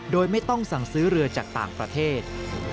โดยไม่ต้องสั่งซื้อเรือจากต่างประเทศ